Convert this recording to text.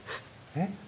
えっ？